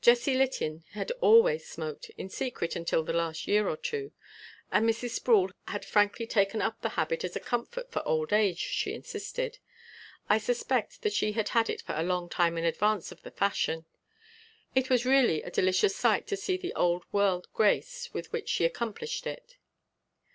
Jessie Litton had always smoked, in secret until the last year or two, and Mrs. Sproul had frankly taken up the habit as a comfort for old age, she insisted. I suspect that she had had it for a long time in advance of the fashion. It was a really delicious sight to see the old world grace with which she accomplished it.